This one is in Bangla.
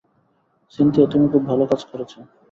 সিনথিয়া, তুমি খুব ভালো কাজ করেছ।